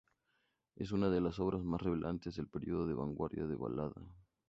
Es una de las obras más relevantes del periodo de vanguardia de Balada.